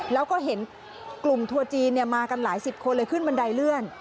แล้วก็เห็นกลุ่มทัวร์จีนมากันหลายสิบคนเลยขึ้นบันไดเลื่อน